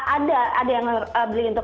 ada ada yang beli untuk